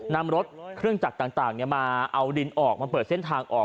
นำรถเครื่องจักรต่างมาเอาดินออกมาเปิดเส้นทางออก